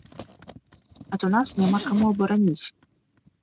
А то нас няма каму абараніць.